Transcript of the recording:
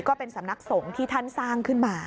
ก็เป็นสำนักสงฆ์ที่ท่านสร้างขึ้นมา